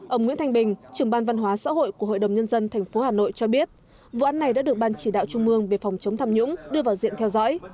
ông nguyễn thanh bình trưởng ban văn hóa xã hội của hội đồng nhân dân tp hà nội cho biết vụ án này đã được ban chỉ đạo trung mương về phòng chống tham nhũng đưa vào diện theo dõi